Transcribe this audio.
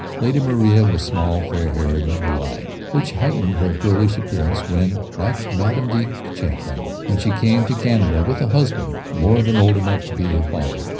Lady Maria was small, fair haired, and blue eyed, which heightened her girlish appearance when, like Madame de Champlain, she came out to Canada with a husband more than old enough to be her father.